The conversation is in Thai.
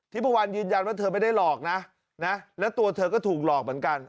ที่ประวันยืนยันว่าเธอไม่ได้หลอกและตัวเธอก็ถูกหลอกเหมือนกัน